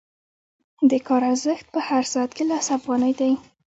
د کار ارزښت په هر ساعت کې لس افغانۍ دی